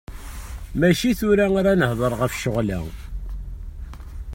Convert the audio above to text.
Mačči tura ara nehder ɣef ccɣel-a.